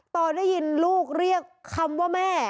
ตอนได้ยินลูกเรียกคำว่าแม่